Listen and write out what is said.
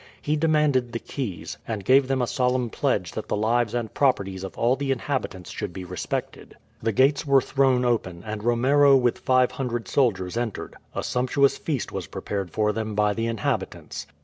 He demanded the keys, and gave them a solemn pledge that the lives and properties of all the inhabitants should be respected. The gates were thrown open, and Romero with five hundred soldiers entered. A sumptuous feast was prepared for them by the inhabitants.